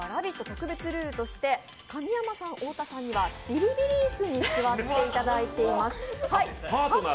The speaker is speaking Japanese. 特別ルールとして神山さん、太田さんにはビリビリ椅子に座っていただいています。